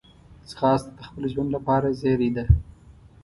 ځغاسته د خپل ژوند لپاره زېری ده